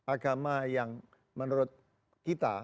agama yang menurut kita